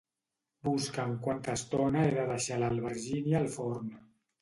Busca'm quanta estona he de deixar l'albergínia al forn.